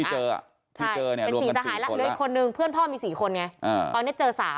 เหลือ๑คนพี่เพื่อนพ่อมี๔คนไงตอนนี้เจอ๓